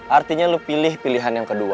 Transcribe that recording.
artinya lo pilih pilihan yang kedua